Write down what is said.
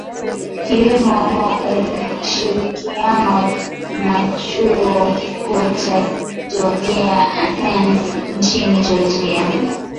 Kilimo kwa ushirikiano na Chuo Kikuu cha Georgia Athens nchini Georgia